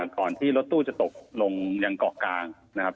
ก่อนที่รถตู้จะตกลงยังเกาะกลางนะครับ